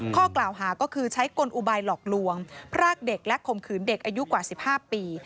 ข้อกล่าวหาก็คือใช้กลอุบายหลอกลวงพรากเด็กและข่มขืนเด็กอายุกว่า๑๕ปี